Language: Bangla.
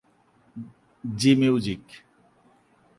জি মিউজিক